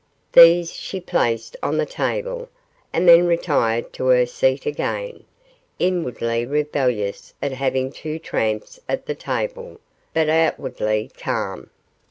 These she placed on the table, and then retired to her seat again, inwardly rebellious at having two tramps at the table, but outwardly calm.